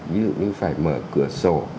ví dụ như phải mở cửa sổ